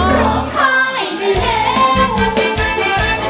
ร้องไข่ได้เร็ว